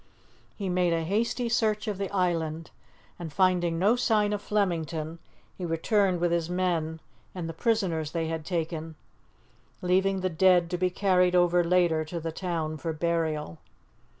He made a hasty search of the island, and, finding no sign of Flemington, he returned with his men and the prisoners they had taken, leaving the dead to be carried over later to the town for burial.